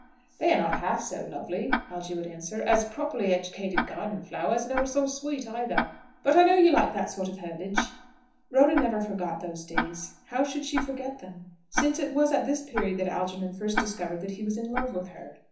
"They are not half so lovely," Algy would answer, "as properly educated garden flowers; nor so sweet either. But I know you like that sort of herbage." Rhoda never forgot those days. How should she forget them? since it was at this period that Algernon first discovered that he was in love with her.